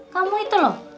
kamu itu loh